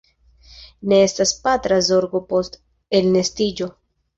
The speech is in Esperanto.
Ne estas patra zorgo post elnestiĝo.